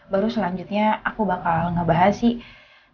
baru selanjutnya aku bakal ngebahas sih